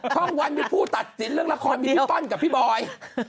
ช่องวันมีผู้ตัดสินเรื่องละครมีพี่เปิ้ลกับพี่บอย